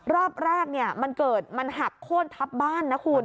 รอบแรกมันเกิดมันหักโค้นทับบ้านนะคุณ